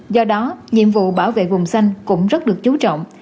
do đó nhiệm vụ bảo vệ vùng xanh cũng rất được chú trọng